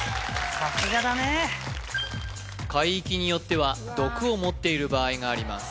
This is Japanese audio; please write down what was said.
さすがだねえ海域によっては毒を持っている場合があります